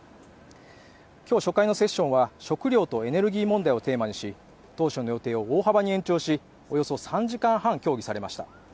今日、初回のセッションは食糧とエネルギー問題をテーマにし当初の予定を大幅に延長し、およそ３時間半協議されました。